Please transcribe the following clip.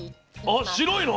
あっ白いの？